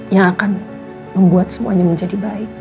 yang akan membuat semuanya menjadi baik